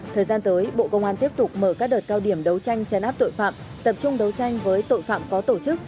thời gian tới bộ công an tiếp tục mở các đợt cao điểm đấu tranh chấn áp tội phạm tập trung đấu tranh với tội phạm có tổ chức